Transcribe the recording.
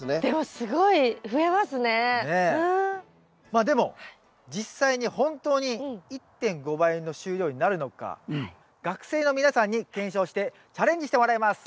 まあでも実際に本当に１．５倍の収量になるのか学生の皆さんに検証してチャレンジしてもらいます。